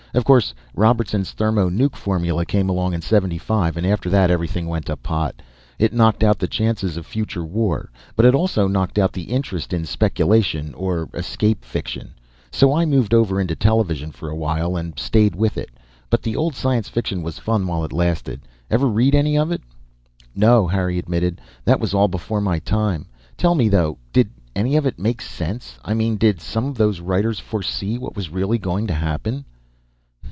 Of course, Robertson's thermo nuc formula came along in '75, and after that everything went to pot. It knocked out the chances of future war, but it also knocked out the interest in speculation or escape fiction. So I moved over into television for a while, and stayed with it. But the old science fiction was fun while it lasted. Ever read any of it?" "No," Harry admitted. "That was all before my time. Tell me, though did any of it make sense? I mean, did some of those writers foresee what was really going to happen?"